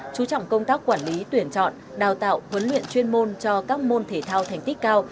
chú trọng công tác quản lý tuyển chọn đào tạo huấn luyện chuyên môn cho các môn thể thao thành tích cao